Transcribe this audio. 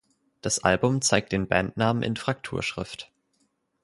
Das Album zeigt den Bandnamen in Frakturschrift.